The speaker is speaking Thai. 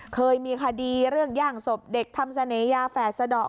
เคยมีคดีเรื่องย่างศพเด็กทำเสน่หยาแฝดสะดอก